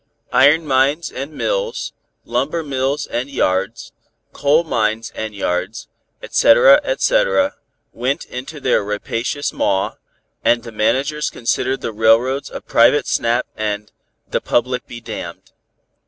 "Iron mines and mills, lumber mills and yards, coal mines and yards, etc., etc., went into their rapacious maw, and the managers considered the railroads a private snap and 'the public be damned.'